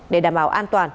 để đảm bảo an toàn